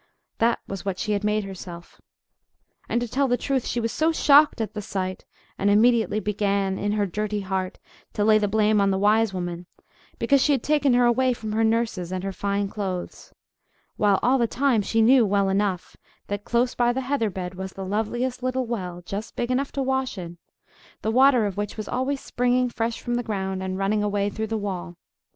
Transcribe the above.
That was what she had made herself. And to tell the truth, she was shocked at the sight, and immediately began, in her dirty heart, to lay the blame on the wise woman, because she had taken her away from her nurses and her fine clothes; while all the time she knew well enough that, close by the heather bed, was the loveliest little well, just big enough to wash in, the water of which was always springing fresh from the ground, and running away through the wall.